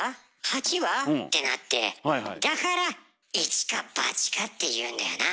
「八は？」ってなってだから「一か八か」って言うんだよな。